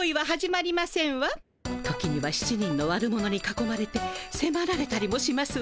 時には７人の悪者にかこまれてせまられたりもしますわ。